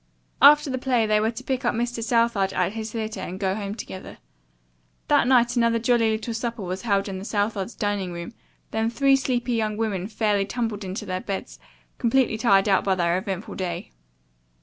After the play they were to pick up Mr. Southard at his theatre and go home together. That night another jolly little supper was held in the Southards' dining room, then three sleepy young women fairly tumbled into their beds, completely tired out by their eventful day.